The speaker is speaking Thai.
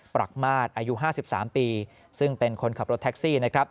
รักมาตรอายุ๕๓ปีซึ่งเป็นคนขับรถแท็กซี่นะครับ